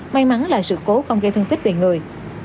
may mắn là sự cố không gây thương tích về người